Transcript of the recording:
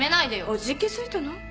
おじけづいたの？